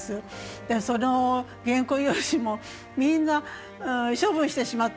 でその原稿用紙もみんな処分してしまったんですよね。